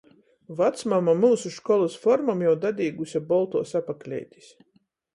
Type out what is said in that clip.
Vacmama myusu školys formom jau dadīguse boltuos apakleitis.